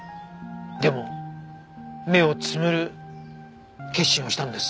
でも目をつむる決心をしたんです。